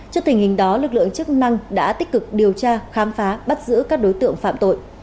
trước tình hình đó lực lượng chức năng đã tích cực điều tra khám phá bắt giữ các đối tượng phạm tội